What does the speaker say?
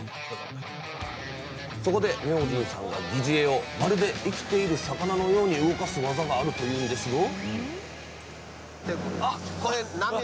そこで明神さんが擬似餌をまるで生きている魚のように動かす技があると言うんですよ